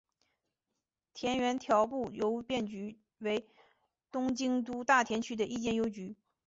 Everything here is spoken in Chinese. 田园调布邮便局为东京都大田区的一间邮局。